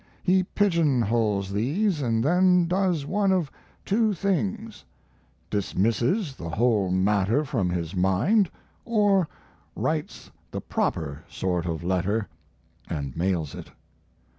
He pigeonholes these and then does one of two things dismisses the whole matter from his mind or writes the proper sort of letter and mails it.